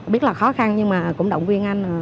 biết là khó khăn nhưng mà cũng động viên anh